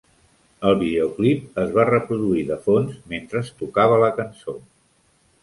El videoclip es va reproduir de fons mentre es tocava la cançó.